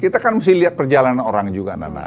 kita kan mesti lihat perjalanan orang juga nana